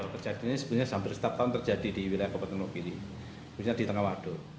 kejadian ini sebenarnya sampai setahun terjadi di wilayah kepertenggung waduk